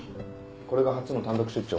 これが初の単独出張？